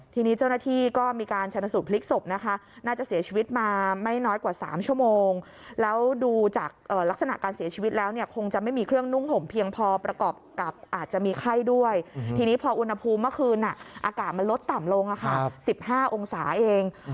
ทีนี้พออุณหภูมิเมื่อคืนอากาศมันลดต่ำลง๑๕องศาเอง